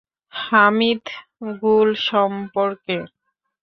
হামিদ গুল সম্পর্কে!